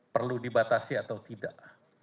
perlu dibatasi atau tidak